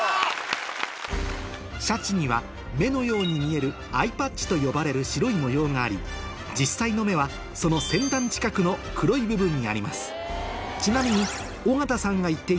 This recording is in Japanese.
シャチには目のように見えるアイパッチと呼ばれる白い模様があり実際の目はその先端近くの黒い部分にあります